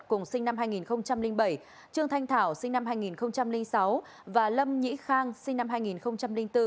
cùng sinh năm hai nghìn bảy trương thanh thảo sinh năm hai nghìn sáu và lâm nhĩ khang sinh năm hai nghìn bốn